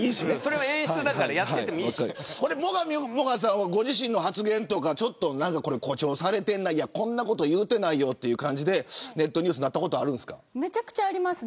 最上もがさんはご自身の発言とか誇張されているなこんなこと言っていないよという感じでネットニュースにめちゃくちゃあります。